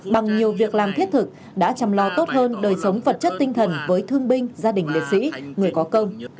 bằng nhiều việc làm thiết thực đã chăm lo tốt hơn đời sống vật chất tinh thần với thương binh gia đình liệt sĩ người có công